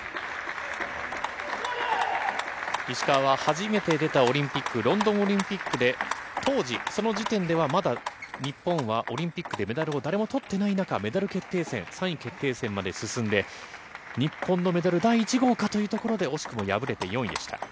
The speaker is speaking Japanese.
石川は初めて出たオリンピック、ロンドンオリンピックで、当時、その時点ではまだ日本はオリンピックでメダルを誰もとってない中、メダル決定戦、３位決定戦まで進んで、日本のメダル第１号かというところで、惜しくも敗れて４位でした。